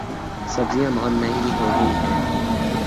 سبزیاں بہت مہنگی ہوگئی ہیں